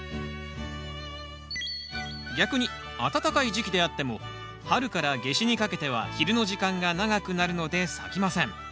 逆に暖かい時期であっても春から夏至にかけては昼の時間が長くなるので咲きません。